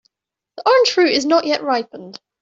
The orange fruit is not yet ripened.